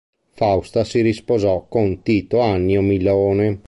Fausta si risposò con Tito Annio Milone.